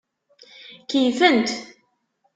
Keyyfent.